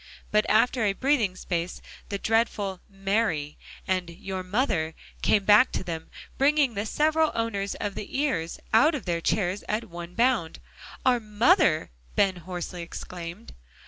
But after a breathing space the dreadful "marry," and "your mother," came back to them, bringing the several owners of the ears out of their chairs at one bound. "Our mother!" Ben hoarsely exclaimed.